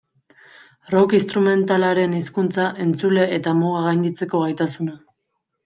Rock instrumentalaren hizkuntza, entzule eta mugak gainditzeko gaitasuna.